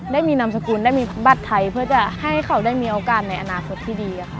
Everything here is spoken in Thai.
ได้มีนามสกุลได้มีบัตรไทยเพื่อจะให้เขาได้มีโอกาสในอนาคตที่ดีค่ะ